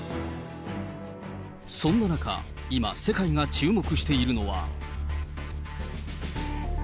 そんな中、今、世界が注目しているのは。